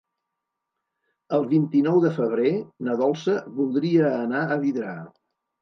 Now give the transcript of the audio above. El vint-i-nou de febrer na Dolça voldria anar a Vidrà.